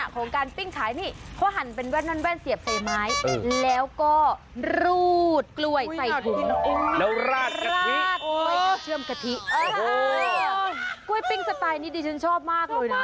กล้วยปิ้งสไตล์นี้ช่องชอบมากเลยนะ